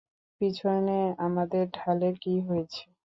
পিছনে, আমাদের ঢালের কী হয়েছে?